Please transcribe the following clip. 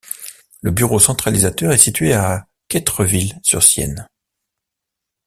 Le bureau centralisateur est situé à Quettreville-sur-Sienne.